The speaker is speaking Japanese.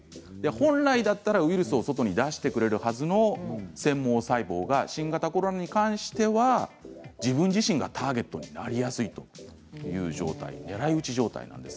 本来はウイルスを外に出してくれるはずの繊毛細胞が新型コロナウイルスに関しては自分自身がターゲットになりやすいという状態です。